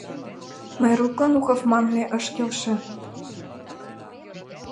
— Майруклан «Ухов» манме ыш келше.